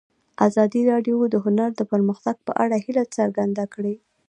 ازادي راډیو د هنر د پرمختګ په اړه هیله څرګنده کړې.